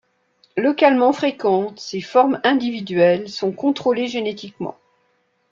Localement fréquentes, ces formes individuelles sont contrôlées génétiquement.